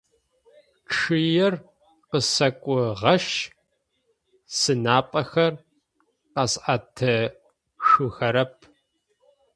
Чъыер къысэкӏугъэшъ сынапӏэхэр къэсӏэтышъухэрэп.